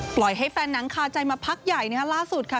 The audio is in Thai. ปล่อยให้แฟนหนังคาใจมาพักใหญ่นะฮะล่าสุดค่ะ